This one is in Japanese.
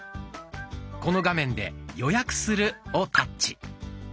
この画面で「予約する」をタッチ。